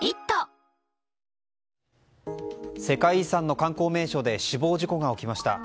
世界遺産の観光名所で死亡事故が起きました。